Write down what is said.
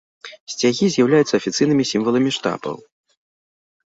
Сцягі з'яўляюцца афіцыйнымі сімваламі штатаў.